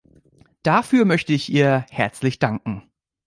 Dafür möchte ich ihr herzlich danken.